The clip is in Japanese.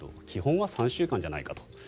基本は３週間じゃないかと。